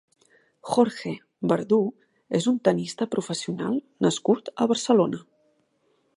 Jorge Bardou és un tennista professional nascut a Barcelona.